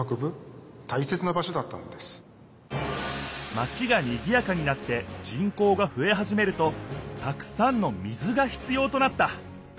マチがにぎやかになって人口がふえはじめるとたくさんの水が必要となった。